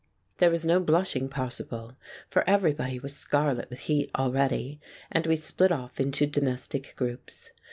There was no blushing possible, for every body was scarlet with heat already, and we split off into domestic groups.